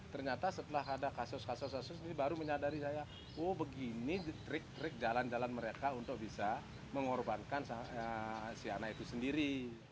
ternyata setelah ada kasus kasus ini baru menyadari saya oh begini trik trik jalan jalan mereka untuk bisa mengorbankan si anak itu sendiri